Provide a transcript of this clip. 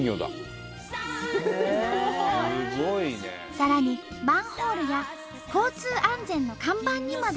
さらにマンホールや交通安全の看板にまで。